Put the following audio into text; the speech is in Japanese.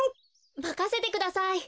まかせてください。